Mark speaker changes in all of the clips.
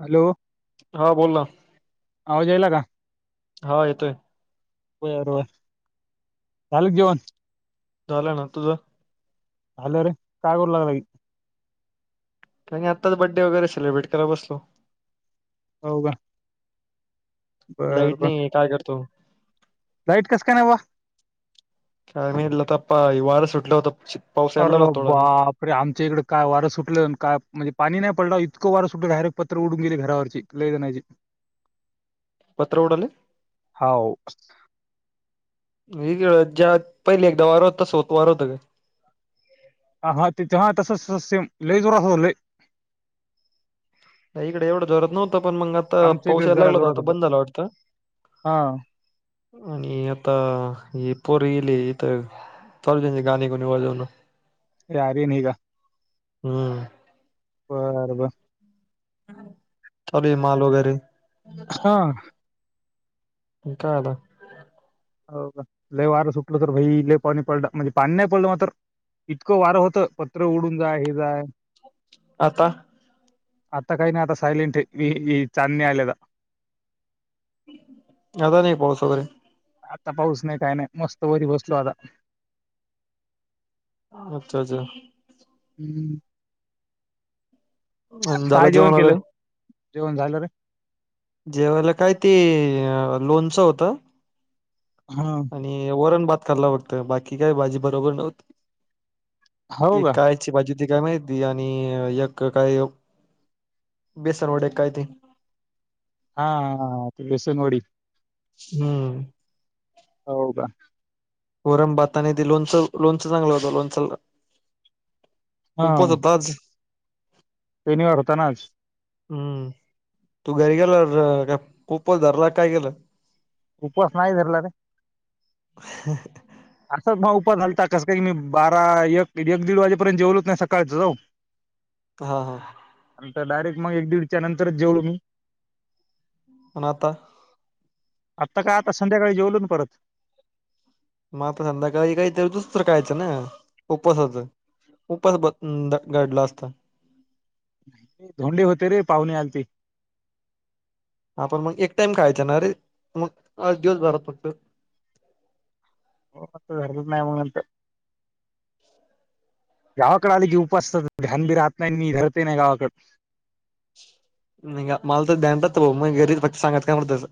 Speaker 1: Hello,
Speaker 2: हां, बोला.
Speaker 1: आवाज यायला का?
Speaker 2: हो येतोय.
Speaker 1: बरबर, झालं का जेवण?
Speaker 2: झालं ना, तुझं?
Speaker 1: झालं रे! काय करू लागला की?
Speaker 2: काय नाय, आताच बड्डे वगैरे सेलब्रेट कराय बसलो.
Speaker 1: हाव का? बर
Speaker 2: लाईट
Speaker 1: बर
Speaker 2: नाहिये, काय करतो?
Speaker 1: लाईट कसा काय नाही बोवा?
Speaker 2: [unintelligible] वार सुटले होत [unintelligible]
Speaker 1: अरं बाप! अरं, आमच्या इकडे काय वारं सुटलं, काय मजी पाणी नाही पडलं, इतकं वारं सुटलं डायरेक्ट पत्र उडून गेले घरावरची. लय जणाची.
Speaker 2: पत्र उडाले?
Speaker 1: हाव
Speaker 2: [unintelligible] ज्यात पहिले एकदा वार होतं, तसं होतं वार होत काय?
Speaker 1: हाहा, तिथं तसंच, तसंच सेम लय जोरात होतं लय.
Speaker 2: आता इकडे एवढं जोरात नव्हतं, पण मग आता
Speaker 1: आमच्या
Speaker 2: पाऊस
Speaker 1: इकडे
Speaker 2: यायला
Speaker 1: जरा
Speaker 2: लागला
Speaker 1: जोरात
Speaker 2: आता
Speaker 1: होतं
Speaker 2: बंद झाला वाटतं.
Speaker 1: हा
Speaker 2: आणि आता हे पोर येले इथं. चालूच यांची गाणी गुणी वाजवन.
Speaker 1: रायरी नीघा.
Speaker 2: हम्म...
Speaker 1: बरं बरं
Speaker 2: चालू आहे माल वगैरे
Speaker 1: हा.
Speaker 2: [unintelligible]
Speaker 1: हो लय वारा सुटलं तर भाई लले पाणी पडलं म्हणजे पाणी नाही पडलं मग इतकं वारं होत पत्र उडून जाय हे जाय
Speaker 2: आता
Speaker 1: अता काही नाही आता सैलेंट आहे, चांदणी आले आता.
Speaker 2: ज्यादा नाही पाऊस वगैरे.
Speaker 1: आता पाऊस नाही काय नाही मस्त वरी बसलो आता.
Speaker 2: अच्छा अच्छा...
Speaker 1: हम्म..
Speaker 2: आणि झालं
Speaker 1: काय जेवण
Speaker 2: वगैरे
Speaker 1: केलं, जेवण झालं रे
Speaker 2: जेव्हाला काय ते लोनचं होतं.
Speaker 1: हा..
Speaker 2: आणि वरण बात खाल्ला बघत बाकी काय भाजी बरोबर नव्हती
Speaker 1: हो
Speaker 2: की
Speaker 1: का
Speaker 2: काय. अची भाजी हो तती काय माहिती आणि एक काय बेसन वडे काय ते..
Speaker 1: हा हा ते बेसनवडी.
Speaker 2: हम्म...
Speaker 1: हो का..
Speaker 2: वरण-भात आणि लोणचं, लोणचं चांगलं होतं लोणचं.
Speaker 1: हा
Speaker 2: उपवास होता आज.
Speaker 1: शनिवार होता ना आज.
Speaker 2: हम्म तू घरी गेलं का उपवास धरला काय केेलं.
Speaker 1: उपवास नाही धरला रे.
Speaker 2: ह..
Speaker 1: असंच भाऊ म्हणालता कसं काय मी बारा एक एक दीड वाजेपर्यंत जेवलोच नाही सकाळच पासून. [inaudible]
Speaker 2: हा हा...
Speaker 1: नंतर डायरेटग एक दीडच्या नंतरच जेवलो मी.
Speaker 2: पण आता.
Speaker 1: आत्ता काय आता संध्याकाळी जेवलो ना परत.
Speaker 2: मग संध्याकाळी काहीतरी दुसतरं कायचं ना उपसाच. उपास ब घडला असतं.
Speaker 1: धोंडी होते रे पाहुणे आलते.
Speaker 2: आपण मग एक टाइम खायचा ना रे मग आज दिवस भरात फक्त.
Speaker 1: हो म जर नाहीय नंतर. गावाकडे आले की उपासाचा ध्यान बी राहत नाही आणि मी धरत नाही गावाकडे.
Speaker 2: नि मला तर द मग घरी प सांगात कायं.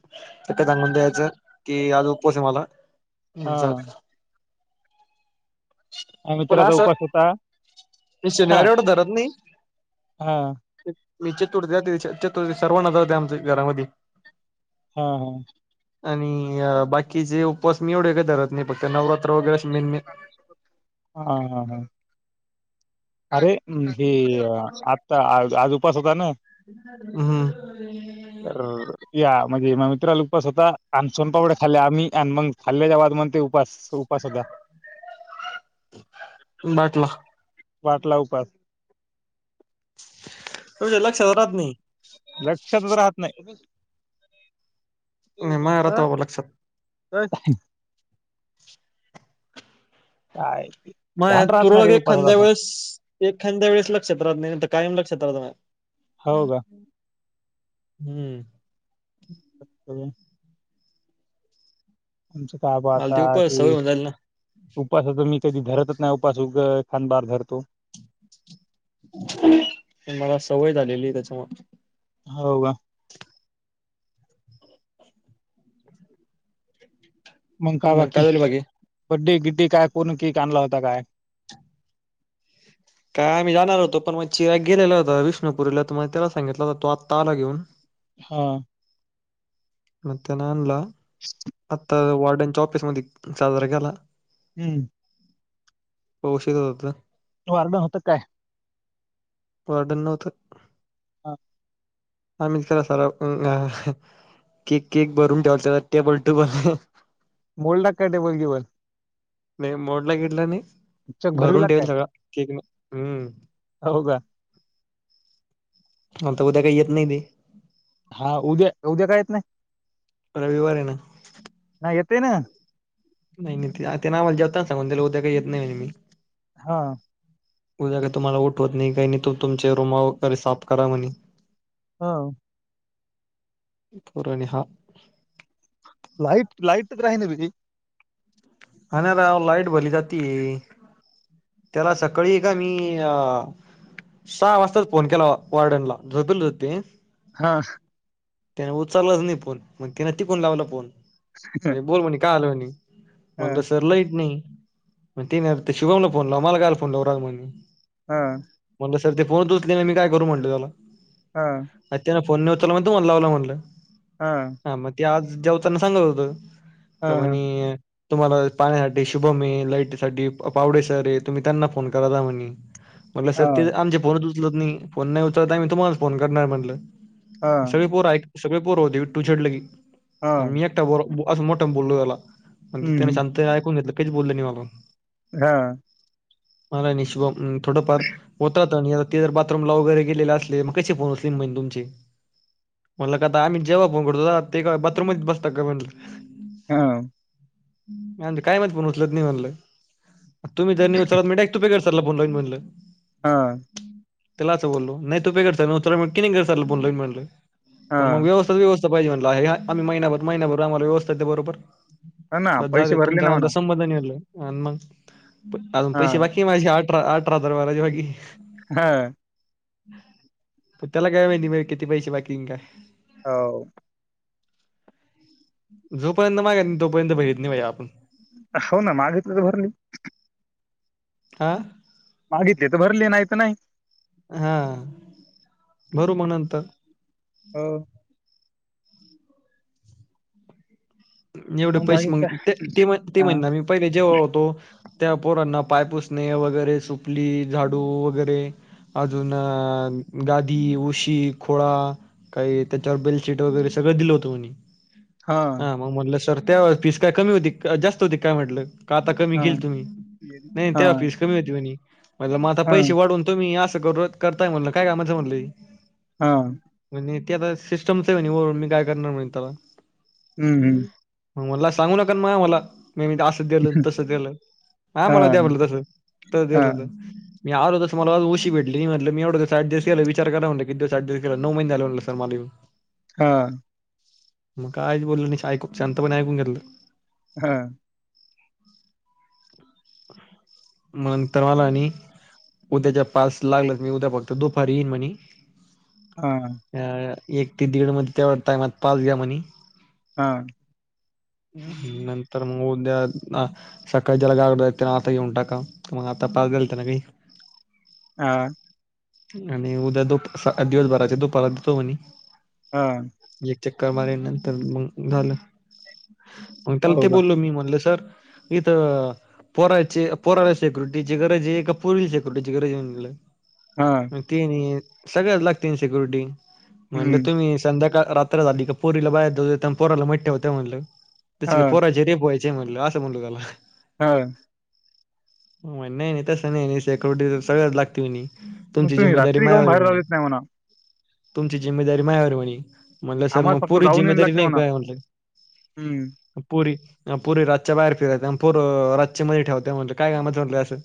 Speaker 2: एक सांगून द्यायचं की आज उपवास आहे माझा.
Speaker 1: हा.. ह मित्राचा उपवास होता.
Speaker 2: नि
Speaker 1: हा
Speaker 2: शनिवारी वाटतं धरत
Speaker 1: हा
Speaker 2: नाही मी चतुर्थी जात चतुर्थी सर्वांना ज होते आमच्या घरामध्ये.
Speaker 1: हा हा..
Speaker 2: आणि बाकीचे उपवास मी एवढे काय धरत नाही फक्त नवरात्र वगैरे मेन मेन.
Speaker 1: हा हा ह अरे.. हम् ही आता आज उपास होता ना. तर
Speaker 2: हम...
Speaker 1: या म्हणजे म मित्राला उपवास होता आणि सोनपापड्या खाल्ल्या आम्ही आणि मग खाल्ल्याच्या बाद म ते उपास उपासद्धा.
Speaker 2: बाटला.
Speaker 1: बाटला उपास.
Speaker 2: तुझ्या लक्षात राहत नाही..
Speaker 1: लक्षात राहत नाही.
Speaker 2: नाही माझ्या राहतं बाबा लक्षात
Speaker 1: तर काय... ध्यान
Speaker 2: मग
Speaker 1: राहत नाही
Speaker 2: तुरळक
Speaker 1: रे उपवासाचं
Speaker 2: एखाद्या
Speaker 1: असं.
Speaker 2: वेळेस एखाद्या वेळेस लक्षात राहत नाही तर कायम लक्षात राहत ना
Speaker 1: हो का?
Speaker 2: हम्म..
Speaker 1: अच्छा! ! आमचं बाबा
Speaker 2: मला
Speaker 1: आता
Speaker 2: ती उपवास सवय
Speaker 1: ते
Speaker 2: होऊन जाईल ना
Speaker 1: उपसाच मी कधी धरतच नाही उपास खांडान धरतो
Speaker 2: मला सवय झालेली आहे त्याच्यामूळ
Speaker 1: हो का मग का बाकी बड्डी गिड्डी काय कोण केक आणला होता काय?
Speaker 2: काय आम्ही जाणार होतो पण मग चिराग गेलेला होता विष्णुपुरीला तर मग त्याला सांगितला होता तो आत्ता आला घेऊन
Speaker 1: हा..
Speaker 2: म न आणला आता वॉडनच्या ऑफिस मध्ये साजरा केला
Speaker 1: हम्म..
Speaker 2: उशीर होत होता..
Speaker 1: तो आला नव्हता का काय??
Speaker 2: वर्डन नव्हतं..
Speaker 1: हा..
Speaker 2: आ मीच खरा सार केक केक भरून ठेवल त्याला टेबल टेबल
Speaker 1: मोल्डाकडे बोल ब
Speaker 2: नाही मोडला गेटला नाही
Speaker 1: चक
Speaker 2: भरून
Speaker 1: भरवीला
Speaker 2: ठेवल
Speaker 1: काय
Speaker 2: सगळा केक हम्म
Speaker 1: हो का..
Speaker 2: नंतर उद्या काही येत नाही बे
Speaker 1: हा उद्या उद्या काय येत नाही
Speaker 2: रविवार आहे ना
Speaker 1: नाही येते ना
Speaker 2: नाही नाही ते नावाला जेवताना सांगून त्याला उद्या काही येत नाही मी
Speaker 1: हा..
Speaker 2: उद्या काही तुम्हाला उठवत नाही काही नाही त तुमचे रूम वगैरे साफ करा म्हणे
Speaker 1: हा..
Speaker 2: पूर्ण साफ
Speaker 1: लाईट लाईट तर ग राही ने
Speaker 2: आणि राव लाइट भली जाती त्याला सकाळी का मी अ सहा वाजताच फोन केला. वॉर्डन ला, झोपल हो ते.
Speaker 1: हा...
Speaker 2: त्याने उचललंच नाही फोन. मग त्यािने टिकून लावला फोन. म्हण बोल, म्हणे काय आल म्हणे.
Speaker 1: हा
Speaker 2: म्हणलं सर लाईट नाही म, ते नाही शिभमला फोन लाव. मला कायला फोन लाव रा म्हनी.
Speaker 1: हा....
Speaker 2: म्हटलं, सर ते फोतचोचले नाही मी काय करू म्हटले त्याला.
Speaker 1: हा....
Speaker 2: अ त्याना फोन न उचरला. म्हणत म लावलं म्हणलं.
Speaker 1: हा
Speaker 2: ह मग? ते आज [inaudible] दवताना सांगत होत. त्या
Speaker 1: हा
Speaker 2: म्हणे तुम्हाला पाण्यासाठी शुभमे, लाईटसाठी पावडेसर आहे. तुम्ही त्यांना फोन करा द म्हणे.
Speaker 1: [unintelligible]
Speaker 2: म्हटलं, सर ते आमचे फोनच उचलत नाही. फोन नाही उचलत आम्ही तुम्हाला फोन करणार म्हटलं.
Speaker 1: हा
Speaker 2: सगे पोर. से पोर होते तू झड लग
Speaker 1: हा
Speaker 2: आ. म ब अस मोठा बोललो. त्याला म्ह
Speaker 1: हम्म,
Speaker 2: त्याने
Speaker 1: हम्म.
Speaker 2: सांगत ऐकून घेतलं. कच बोललं नाही मला.
Speaker 1: हा...
Speaker 2: मला निशभ थोडंफार होता. ते जर बाथूमला वगैरे गेले असले, मग कसे फोन असहि तुमचे. म्हणला का आता, आम्ही जेव्हा फोन करतो. ते का बाथरूमच बसता का म्हण.
Speaker 1: हा....
Speaker 2: मि म्हंटल काय माहित फोन उचलत नाही म्हणलं. तुम्ही जर नाही उचला तर मी डायरेक्ट तूपेकर. करला फोन लावीन म्हणलं.
Speaker 1: हा
Speaker 2: त्याला असं बोललो. नाही तूपेकर सर उचाला, तर किनेगर सरला फोन लावीन म्हंटल.
Speaker 1: हा
Speaker 2: व्यवस्था व्यव [inaudible] पाहिजे म्हट आहे. आमही महिनार, महिभर. आम्हा व्यवस्ाेत त्या बरोबर.
Speaker 1: हा
Speaker 2: [unintelligible]
Speaker 1: ना पैसे भरले
Speaker 2: तुमचा न
Speaker 1: ना
Speaker 2: आमचा
Speaker 1: म्हणा
Speaker 2: संबंध नाय म्हंटल. अनं मग, आजुन
Speaker 1: हा
Speaker 2: पैसे बाकी माजे आठरा, अठरा हजार भरायचे बाकी.
Speaker 1: हा....
Speaker 2: त्याला काय माहिती. म किती पैसे बाकि हायं काय.
Speaker 1: होव....
Speaker 2: जोपर्यंत मागत नाय, तोपर्यंत भरत नाय भाई आपण.
Speaker 1: हो ना मागितले तर भरले.
Speaker 2: आ....
Speaker 1: मागितले तर भरले, नाही तर नाही.
Speaker 2: हा... भरू मग नंतर.
Speaker 1: हो...
Speaker 2: एवढे पैसे
Speaker 1: बाकी
Speaker 2: मग,
Speaker 1: काय
Speaker 2: ते ती
Speaker 1: हा
Speaker 2: म्हणार म पहिले जेव्हा होतो. त्या पोरांना, पाय पुसणे, वगैरे सुपली झाडू वगैरे, अजून अ... गादी, उशी, खुळा काही. त्याच्यावर बेडशीट वगैरे सगळं दिलं होतं. म्हनी
Speaker 1: हा....
Speaker 2: हा मग म्हटलं सर, त्यावेळी फीस काय कमी होती. जास्त होती काय म्हटलं. का आता कमी
Speaker 1: हा
Speaker 2: केली तुम्ही. नाही
Speaker 1: हा
Speaker 2: तेव्हा फीस कमी होती म्हणी. म्हणलं, मग आता
Speaker 1: हा
Speaker 2: पैसे वाढवून तुम्ही असं करू करताय म्हणलं. काय कामाच आहे म्हटल मी.
Speaker 1: हा....
Speaker 2: म्हणजे ते, आता सिस्टम्स आहे म्हणे. वरून मी काय करणार म्हणे त्याला.
Speaker 1: हम्म... हम्...
Speaker 2: मग मला सांगू नका माये मला म- दिलं
Speaker 1: हम्म.
Speaker 2: तस दिलं हा मला द्या म्हटलं तस तस
Speaker 1: हा
Speaker 2: देलं तर मी आलो तस मला आज उशी भेटली, म्हटलं मी एवढं दिवस एडजस्ट केला विचार करा म्हणल किती दिवस एडजस्ट केला नऊ महिने झाले म्हणलं सर मला येउन.
Speaker 1: हा
Speaker 2: मग कायच बोललं नाही. ऐकु शांतपणे ऐकून घेतलं.
Speaker 1: हा [inaudible]
Speaker 2: मग तर मला नी. उद्याच्या पास लागलं तर मी उद्या फक्त दुपारी येईन म्हणी.
Speaker 1: हा
Speaker 2: अ एक ते दीड मध्ये तेवढं टायमात पास घ्या म्हणी.
Speaker 1: हां.
Speaker 2: नंतर मग उद्या आ- सकाळीच्याला गावाला जायचं त्यानी आता घेऊन टाका मग आता पास दिल काही.
Speaker 1: हा
Speaker 2: आणि उद्या दुप दिवसभराच्या दुपारला देतो म्हणे.
Speaker 1: हा
Speaker 2: एक चक्कर मारीन नंतर मग झालं. मग त्याला
Speaker 1: हो
Speaker 2: ते
Speaker 1: का?
Speaker 2: बोललो मी म्हणलं सर इथं- पोराचे पोराला सिक्युरिटीज गरज आहे का पुरील सेक्युरिटीची गरज आहे म्हणलं.
Speaker 1: हा
Speaker 2: मग ते म्हणे सगळ्यालाच लागते म्हणे सिक्युरिटी म्हणलं
Speaker 1: हं,
Speaker 2: तुम्ही संध्याकाळी रात्र- रात्र झाली का पोरीला बाहेर जाऊ देता, आणी पोराला मधी ठेवता म्हणलं त्याची काय
Speaker 1: हां,
Speaker 2: पोरा- जी डी एफ व्हायचे म्हटलं असं म्हटलो त्याला-
Speaker 1: हा
Speaker 2: हो नाही नाही तस नाही नाही सेक्यरिटी सगळंच लागते म्हणे.
Speaker 1: मग
Speaker 2: तुमची
Speaker 1: तुम्ही
Speaker 2: जिम्मेदारी
Speaker 1: रात्री काहून
Speaker 2: मायावर
Speaker 1: बाहेर जाऊ
Speaker 2: म्हणे,
Speaker 1: देत नाही म्हणा.
Speaker 2: तुमची जिम्मेदारी मायावर म्हणे. म्हटलं सर मग
Speaker 1: आम्हाला फक्त
Speaker 2: पूरी
Speaker 1: जाऊन यायला
Speaker 2: जिम्मेदारी
Speaker 1: लागते
Speaker 2: नाही
Speaker 1: म्हणा.
Speaker 2: काय म्हटलं.
Speaker 1: हं,
Speaker 2: पोरी पोरी रातच्या बाहेर फिरत्या आणि पोरं रातचे मध्ये ठेवते म्हणलं काय कामाच आहे म्हणल असं.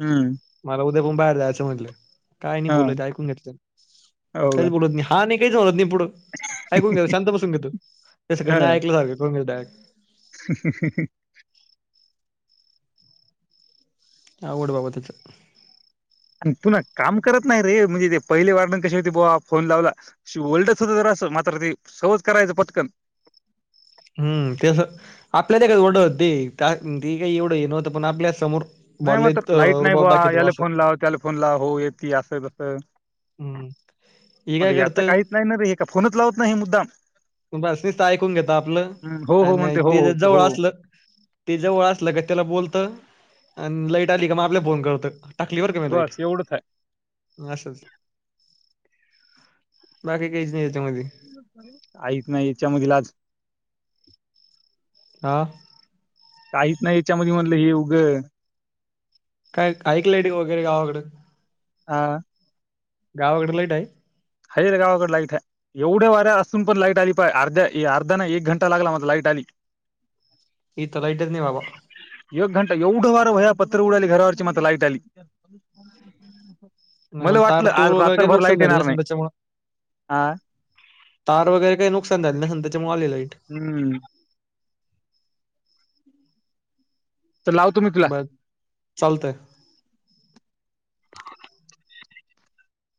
Speaker 1: हम्म
Speaker 2: मला उद्या पण बाहेर जायचं म्हटले. काय नाही बोलत
Speaker 1: हां,
Speaker 2: ऐकून घेतलं,
Speaker 1: हो
Speaker 2: काहीच
Speaker 1: का?
Speaker 2: बोलत नाही हा नाही काहीच बोलत नाही पुढं- ऐकून घेतो शांत बसून घेतो जसं काय ना ऐकलं सारखं करून घेत.
Speaker 1: हि हि हि
Speaker 2: अवघड बाब त्याचं
Speaker 1: आणि पुन्हा काम करत नाही रे, म्हणजे ते पहिले वर्णन कसे होते बो फोन लावला. [unintelligible] तर असं मात्र ते सहज करायचं पटकन.
Speaker 2: हम्म तेस आपल्या ते काच ड होत ते ते काही एवढं ये नव्हतं पण आपल्या समोर-
Speaker 1: नाही मग
Speaker 2: बोलले
Speaker 1: तर लाईट नाही
Speaker 2: रुबाब
Speaker 1: बुवा
Speaker 2: दाखवते बा
Speaker 1: याला
Speaker 2: असं
Speaker 1: फोन लाव त्याला फोन लाव हो येतती असं तसं-
Speaker 2: हम्म हे
Speaker 1: मग
Speaker 2: काय
Speaker 1: याच काहीच
Speaker 2: करतं
Speaker 1: नाही ना रे हे फोनच लावत नाही हे मुद्दाम.
Speaker 2: बस नसत ऐकून घेता आपलं
Speaker 1: हं, हो, हो
Speaker 2: आणि
Speaker 1: म्हणते, हो,
Speaker 2: ते
Speaker 1: हो,
Speaker 2: जवळ
Speaker 1: हो.
Speaker 2: असलं. ते जवळ असलं की त्याला बोलतं, आणि लाईट आली का मग आपल्याला फोन करतं. टाकली बरका मी लाईट.
Speaker 1: बस एवढंच आहे.
Speaker 2: असच बाकी कायच नाही यांच्यामध्ये.
Speaker 1: काहीच नाही याच्यामधील आज-
Speaker 2: हा
Speaker 1: काहीच नाही याच्यामध्ये म्हटलं हे उग
Speaker 2: काय आहे का लाईटी वगैरे गावाकडं?
Speaker 1: हा.
Speaker 2: गावाकडे लाईट आहे?
Speaker 1: आहे गावाकड लाईट हाय. एवढ्या वाऱ्या असून पण लाईट आली पाय अर्ध्या अर्धा ना एक घंटा लागला मात्र लाईट आली. [unintelligible]
Speaker 2: इथं लाईटच नाही बाबा.
Speaker 1: एक घंटा एवढं वार बया पत्र उडाली घरावरची मात्र लाईट आली.
Speaker 2: न
Speaker 1: मला
Speaker 2: मग तार
Speaker 1: वाटलं आज
Speaker 2: तूर वगैरे काही
Speaker 1: रात्रभर
Speaker 2: नुकसान
Speaker 1: लाईट
Speaker 2: झाले
Speaker 1: येणार
Speaker 2: नसेल
Speaker 1: नाही.
Speaker 2: त्याच्यामुळे
Speaker 1: हा.
Speaker 2: तार वगैरे काही नुकसान झालं नसेल त्याच्यामुळे आली लाईट.
Speaker 1: हम्म. तर लावतो मी तुला
Speaker 2: बघ चालतंय.